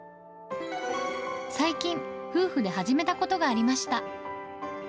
最近、夫婦で始めたことがありました。